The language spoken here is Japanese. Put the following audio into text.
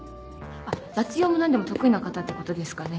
あっ雑用も何でも得意な方ってことですかね？